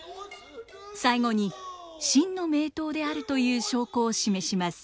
最後に真の名刀であるという証拠を示します。